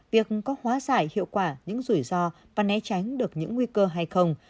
việc có hóa giải hiệu quả những rủi ro và né tránh được những nguy cơ hay không